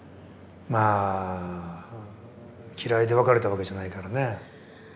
まあ嫌いで別れたわけじゃないからね。